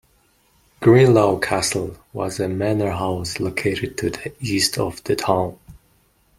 Greenlaw Castle was a manor house located to the east of the town.